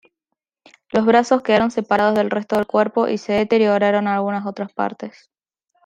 Los brazos quedaron separados del resto del cuerpo y se deterioraron algunas otras partes.